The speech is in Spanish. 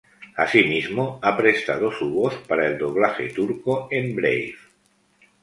Asimismo, ha prestado su voz para el doblaje turco en "Brave".